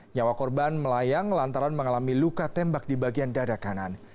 nyawa korban melayang lantaran mengalami luka tembak di bagian dada kanan